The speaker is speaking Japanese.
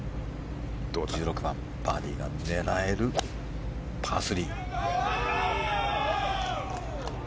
１６番バーディーが狙えるパー３。